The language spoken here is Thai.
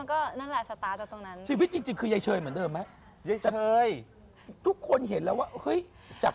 ครับชีวิตมันจริง